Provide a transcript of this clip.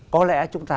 có lẽ chúng ta